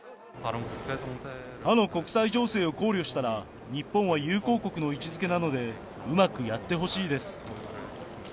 他の国際情勢を考慮したら、日本は友好国の位置づけなので、うまくやってほしいです。